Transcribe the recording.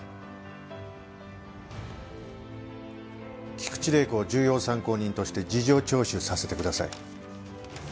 菊池玲子を重要参考人として事情聴取させてください。